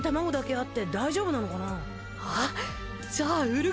あっ！